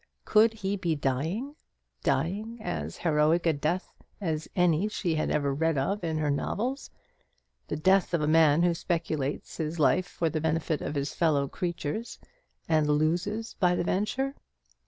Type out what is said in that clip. Could he be dying? dying as heroic a death as any she had ever read of in her novels: the death of a man who speculates his life for the benefit of his fellow creatures, and loses by the venture.